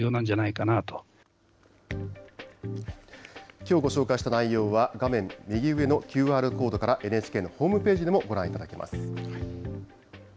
きょうご紹介した内容は、画面右上のＱＲコードから、ＮＨＫのホームページでもご覧いただけます。